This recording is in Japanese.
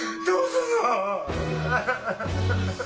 どうするの？